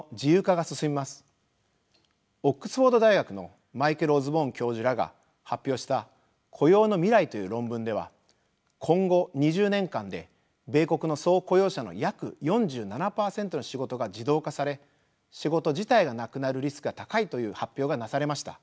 オックスフォード大学のマイケル・オズボーン教授らが発表した「雇用の未来」という論文では今後２０年間で米国の総雇用者の約４７％の仕事が自動化され仕事自体がなくなるリスクが高いという発表がなされました。